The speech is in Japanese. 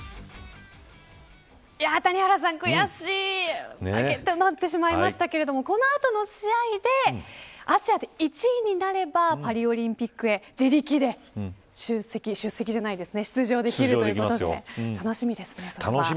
谷原さん、悔しい結果となってしまいましたがこの後の試合で、アジアで１位になれば、パリオリンピックへ自力で出場できるということになるので楽しみですね。